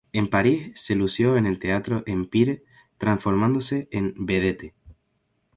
En Paris se lució en el Teatro Empire transformándose en vedette.